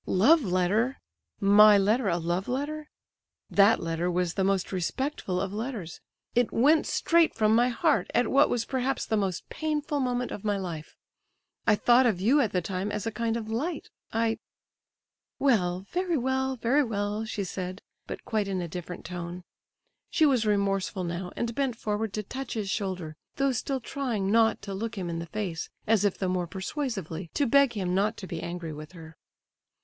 "Love letter? My letter a love letter? That letter was the most respectful of letters; it went straight from my heart, at what was perhaps the most painful moment of my life! I thought of you at the time as a kind of light. I—" "Well, very well, very well!" she said, but quite in a different tone. She was remorseful now, and bent forward to touch his shoulder, though still trying not to look him in the face, as if the more persuasively to beg him not to be angry with her.